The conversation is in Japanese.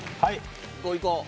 いこういこう。